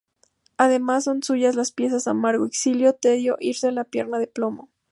Además, son suyas las piezas"Amargo Exilio", "Tedio", "Irse", "La pierna de plomo".